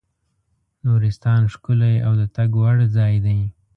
نورستان ښکلی او د تګ وړ ځای دی.